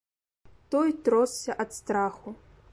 Той тросся ад страху.